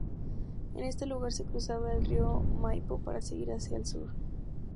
En este lugar se cruzaba el río Maipo para seguir hacia el sur.